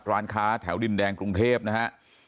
ร้านค้าแถวดินแดงกรุงเทพนะฮะ